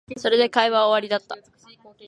それで会話は終わりだった